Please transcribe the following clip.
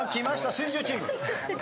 水１０チーム。